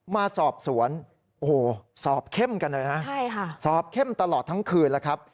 มาสอบสวนโอ้โหสอบเข้มกันเลยนะสอบเข้มตลอดทั้งคืนแล้วครับ